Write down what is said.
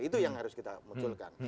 itu yang harus kita munculkan